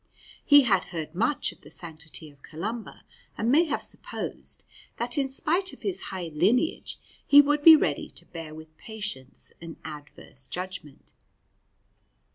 He had heard much of the sanctity of Columba, and may have supposed that in spite of his high lineage he would be ready to bear with patience an adverse judgment.